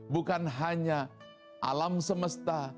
bukan hanya alam semesta